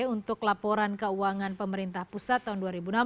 untuk laporan keuangan pemerintah pusat tahun dua ribu enam belas